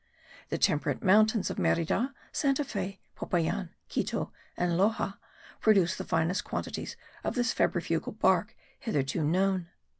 The temperate mountains of Merida, Santa Fe, Popayan, Quito and Loxa produce the finest qualities of this febrifugal bark hitherto known.